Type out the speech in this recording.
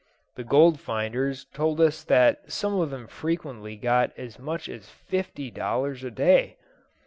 The gold finders told us that some of them frequently got as much as fifty dollars a day.